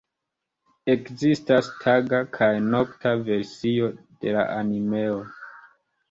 Ekzistas taga kaj nokta versioj de la animeo.